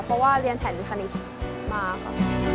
เพราะว่าเรียนแผนคณิตมาค่ะ